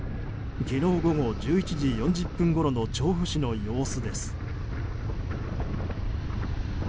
昨日午後１１時４０分ごろの調布市の様子です。